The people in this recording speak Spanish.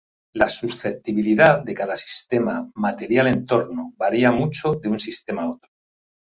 La susceptibilidad de cada sistema material-entorno varia mucho de un sistema a otro.